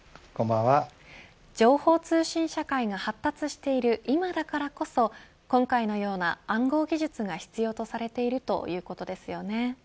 情報通信社会が発達している今だからこそ今回のような暗号技術が必要とされているということですよね。